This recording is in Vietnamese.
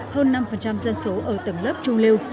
hơn năm dân số ở tầng lớp trung lưu